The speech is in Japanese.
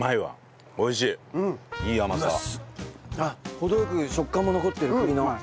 あっ程良く食感も残ってる栗の。